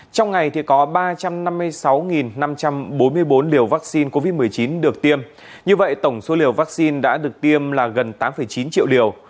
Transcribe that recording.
trong ngày có ba trăm năm mươi sáu năm trăm bốn mươi bốn liều vaccine covid một mươi chín được tiêm như vậy tổng số liều vaccine đã được tiêm là gần tám chín triệu liều